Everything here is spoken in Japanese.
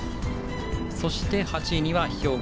そして、８位には兵庫。